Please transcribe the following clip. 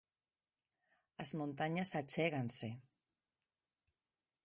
As montañas achéganse.